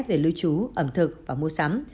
về lưu trú ẩm thực và mua sắm